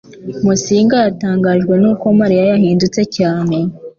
Musinga yatangajwe nuko Mariya yahindutse cyane.